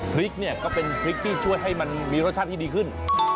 พริกเนี่ยก็เป็นพริกที่ช่วยให้มันมีรสชาติที่ดีขึ้น